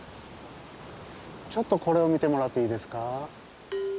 ちょっとこれを見てもらっていいですか？